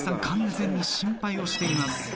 完全に心配をしています。